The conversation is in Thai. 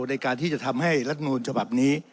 ในการที่จะทำให้รัฐมนูลฉบับนี้